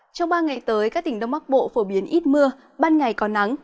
trong ba ngày tới các tỉnh đông bắc bộ phổ biến ít mưa ban ngày có nắng